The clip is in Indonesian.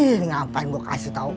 ih ngapain gua kasih tau